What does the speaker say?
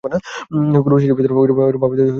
গুরুশিষ্যের ভিতর ঐরূপ ভাব ব্যতীত ধর্ম আসিতেই পারে না।